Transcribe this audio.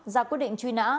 ra quy định truy nã